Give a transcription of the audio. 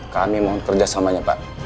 kami mau kerjasamanya pak